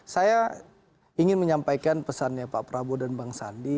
saya ingin menyampaikan pesannya pak prabowo dan bang sandi